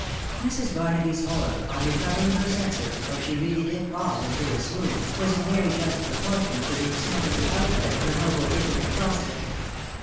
Mrs. Barnaby'h horror on recovering her senses (for she really did fall into a swoon) was in very just proportion to the extent of the outlay her noble vision had cost her.